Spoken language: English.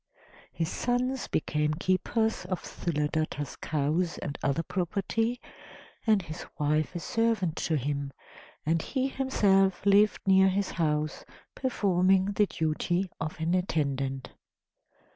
His sons became keepers of Sthuladatta's cows and other property, and his wife a servant to him, and he himself lived near his house, performing the duty of an attendant.